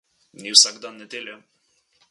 Ni vsak dan nedelja.